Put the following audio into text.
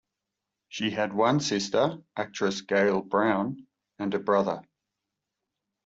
She had one sister, actress Gail Brown, and a brother.